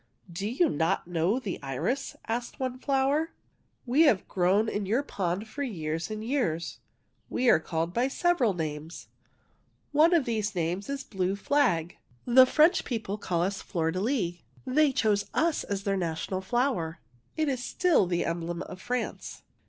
'' Do you not know the iris? " asked one flower. " We have grown in your pond for years and years. We are called by several names. One of these names is blue flag. << The French people call us fleur de lis. They chose us as their national flower. It is still the emblem of France."